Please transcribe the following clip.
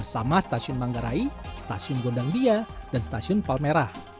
sama stasiun manggarai stasiun gondang dia dan stasiun palmerah